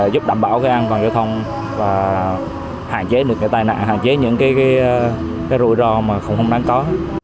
giúp đảm bảo an toàn giao thông hạn chế những tài nạn hạn chế những rủi ro không đáng có